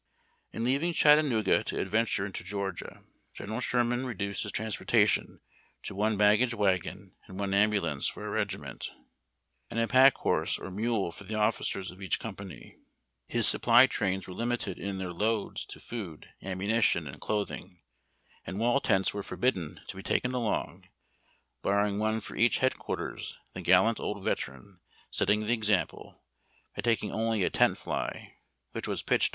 In leaving Chattanooga to advance into Georgia, General Sherman reduced his transportation to one baggage wagon and one ambulance for a regiment, and a pack horse or mule for the officers of each company. His supply trains were limited in their loads to food, ammunition, and cloth ing ; and wall tents were forbidden to be taken along, barring one for each headquarters, the gallant old veteran setting the example, by taking only a tent fl}^ which was pitched over saplings or fence rails.